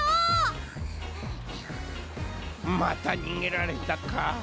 またにげられたカ。